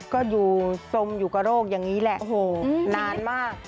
ก็อยู่จมอยู่กับโรคอย่างนี้แหละโอ้โหนานมาก